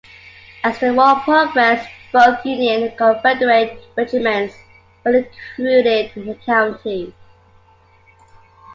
As the war progressed, both Union and Confederate regiments were recruited in the county.